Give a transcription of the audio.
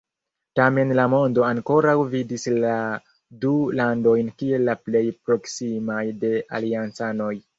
Tamen la mondo ankoraŭ vidis la du landojn kiel la plej proksimaj de aliancanoj.